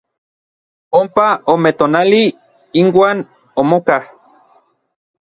Ompa ome tonali inuan omokaj.